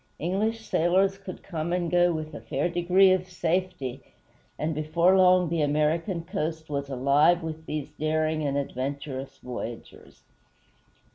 English sailors could come and go with a fair degree of safety, and before long the American coast was alive with these daring and adventurous voyagers.